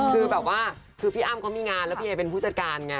คือแบบว่าคือพี่อ้ำเขามีงานแล้วพี่เอเป็นผู้จัดการไง